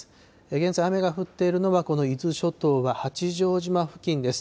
現在、雨が降っているのは、この伊豆諸島は八丈島付近です。